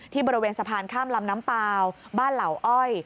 บริเวณสะพานข้ามลำน้ำเปล่าบ้านเหล่าอ้อย